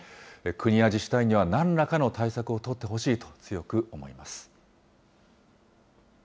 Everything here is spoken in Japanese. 国や自治体にはなんらかの対策を取ってほしいと強く思います。